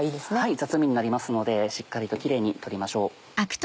雑味になりますのでしっかりとキレイに取りましょう。